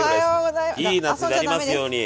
いい夏になりますように。